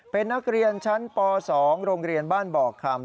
เป็นนักเรียนชั้นป๒โรงเรียนบ้านบ่อคำ